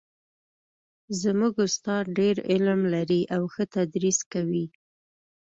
زموږ استاد ډېر علم لري او ښه تدریس کوي